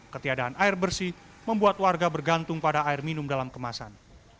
ketiadaan air bersih membuat warga bergantung pada air minum dalam kemasan